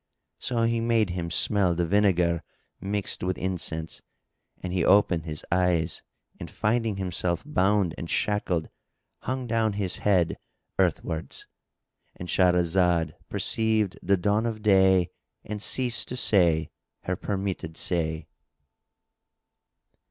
So he made him smell the vinegar mixed with incense, and he opened his eyes and, finding himself bound and shackled, hung down his head earthwards.——And Shahrazad perceived the dawn of day and ceased to say her permitted say.